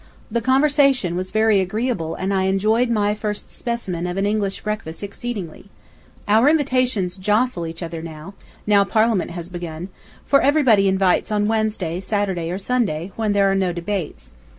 The conversation was very agreeable and I enjoyed my first specimen of an English breakfast exceedingly. ... Our invitations jostle each other, now Parliament has begun, for everybody invites on Wednesday, Saturday, or Sunday, when there are no debates.